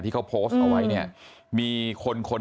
ที่เขาโพสต์เอาไว้เนี่ยมีคนคน